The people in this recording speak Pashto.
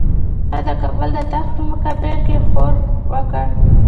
هغه د کابل د تخت په مقابل کې ښورښ وکړ.